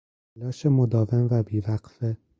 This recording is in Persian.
تلاش مداوم و بیوقفه